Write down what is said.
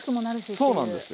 そうなんですよ。